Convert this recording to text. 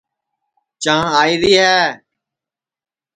چانٚھ آئیری ہے